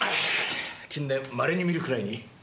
近年まれに見るくらいに。